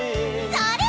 それ！